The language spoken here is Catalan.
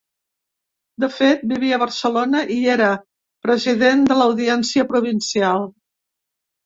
De fet, vivia a Barcelona i era president de l’audiència provincial.